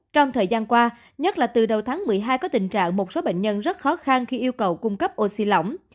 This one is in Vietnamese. trong thời gian qua nhất là từ đầu tháng một mươi hai có tình trạng một số bệnh nhân rất khó khăn khi yêu cầu cung cấp oxy lỏng